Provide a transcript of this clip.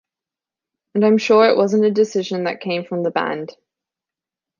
And I'm sure it wasn't a decision that came from the band.